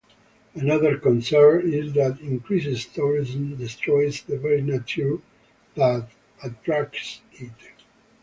Another concern is that increased tourism destroys the very nature that attracts it.